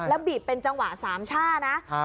แล้วบีบเป็นจังหวะสามช่านะ